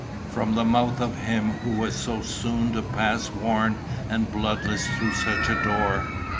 from the mouth of him who was so soon to pass worn and bloodless through such a door!